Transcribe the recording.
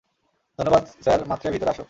ধন্যবাদ স্যার মাত্রে ভিতরে আসো।